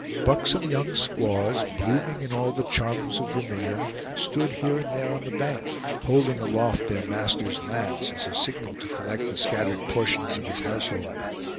Buxom young squaws, blooming in all the charms of vermilion, stood here and there on the bank, holding aloft their master's lance, as a signal to collect the scattered portions of his household.